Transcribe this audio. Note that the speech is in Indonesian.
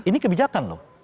ini kebijakan loh